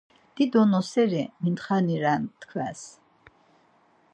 Dido noseri mitxani ren tkves.